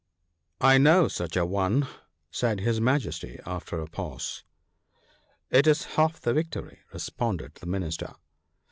I know such an one," said his Majesty, after a pause. " It is half the victory," responded the Minister.